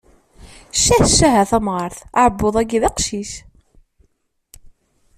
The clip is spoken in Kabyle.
Ccah ccah a tamɣart, aɛebbuḍ-agi d aqcic.